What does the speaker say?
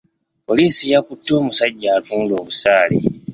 Poliisi yakutte omusajja attunda obusaale.